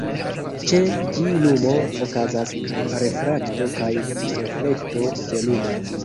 Ĉe ĝi lumo okazas refrakto kaj reflekto de lumo.